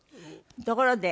ところで。